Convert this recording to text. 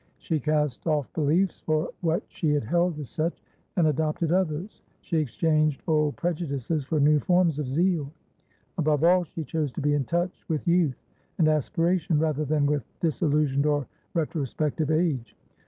She cast off beliefsor what she had held as suchand adopted others; she exchanged old prejudices for new forms of zeal; above all, she chose to be in touch with youth and aspiration rather than with disillusioned or retrospective age.